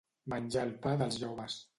Menjar el pa dels joves.